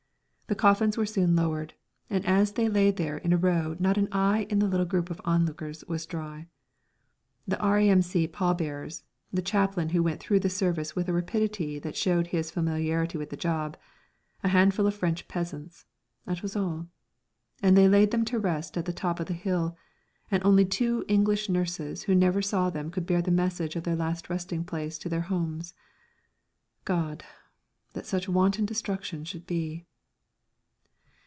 The coffins were soon lowered, and as they lay there in a row not an eye of the little group of onlookers was dry. The R.A.M.C. pall bearers, the chaplain who went through the service with a rapidity that showed his familiarity with the job, a handful of French peasants that was all. And they laid them to rest at the top of the hill, and only two English nurses who never saw them could bear the message of their last resting place to their homes. God! that such wanton destruction should be.